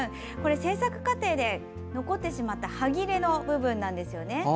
製作過程で残ってしまった端切れの部分なんです。